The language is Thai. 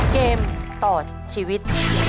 เกมต่อชีวิต